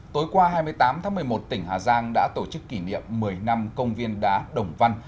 tối qua hai mươi tám tháng một mươi một tỉnh hà giang đã tổ chức kỷ niệm một mươi năm công viên đá đồng văn